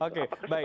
oke baik baik